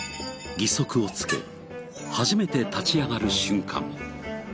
義足をつけ初めて立ち上がる瞬間。